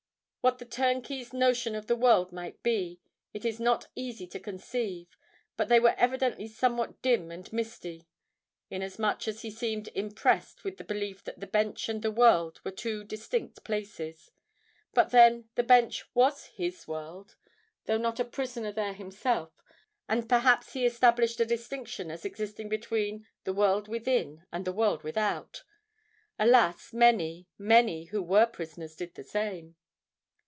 What the turnkey's notions of the world might be, it is not easy to conceive: but they were evidently somewhat dim and misty—inasmuch as he seemed impressed with the belief that the Bench and the world were two distinct places:—but, then, the Bench was his world, though not a prisoner there himself; and perhaps he established a distinction as existing between the "world within" and the "world without." Alas! many—many who were prisoners did the same!